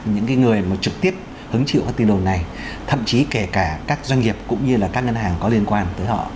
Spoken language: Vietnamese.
những người mà trực tiếp hứng chịu các tin đồn này thậm chí kể cả các doanh nghiệp cũng như là các ngân hàng có liên quan tới họ